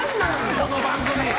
この番組。